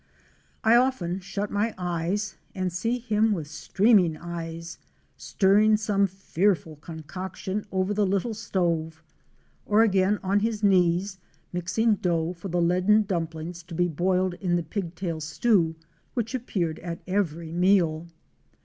I often shut my eyes and see him with streaming eyes stirring some fearful concoction over the little stove; or again on his knees mixing dough for the leaden dumplings to be boiled in the pig tail stew which appeared at every meal.